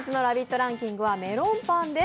ランキングはメロンパンです。